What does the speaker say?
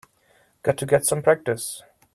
Got to get some practice.